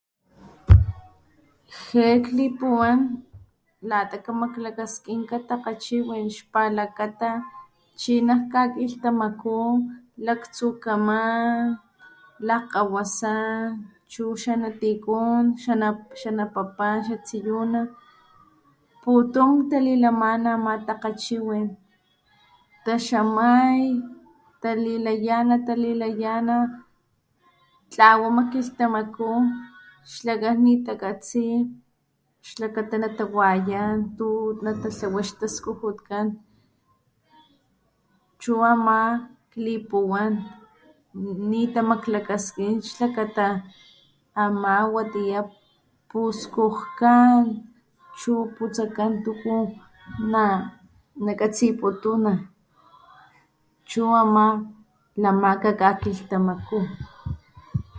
Je klipuwan lata kamaklakaskinka takgachiwin xpalakata chi najkakilhtamaku laktsukakaman, lakgkgawasan, chu xanatikun, xanapapan, xatsiyuna putun talilamana ama takgachiwin, taxamay talilayana, talilayana tlawama kilhtamaku, xlakan nitakatsi xlakata natawayan tunatatlawa xtaskujutkan chu ama klipuwan nitamaklakaskin xlakata ama watiya puskujkan chu putsakan tuku nakatsiputuna chu ama lamaka kakilhtamaku.